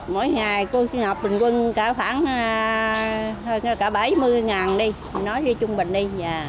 mỗi ngày cô sinh học bình quân cả khoảng bảy mươi đi nói đi trung bình đi